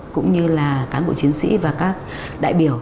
cũng như là cán bộ chiến sĩ và các đại biểu